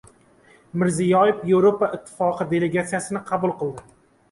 Mirziyoyev Yevropa Ittifoqi delegatsiyasini qabul qildi